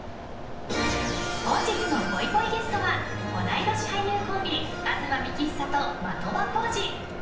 本日の、ぽいぽいゲストは同い年俳優コンビ東幹久と的場浩司！